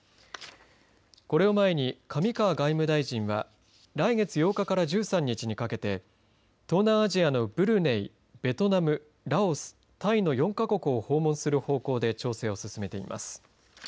これを前に上川外務大臣は来月８日から１３日にかけて東南アジアのブルネイ、ベトナムラオス、タイの４か国を訪問する方向で調整を進めています。